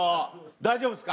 大丈夫っすか？